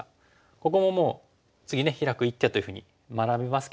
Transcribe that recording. ここももう次ヒラく一手というふうに学びますけども。